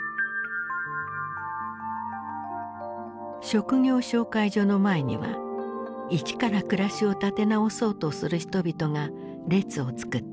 職業紹介所の前には一から暮らしを立て直そうとする人々が列を作った。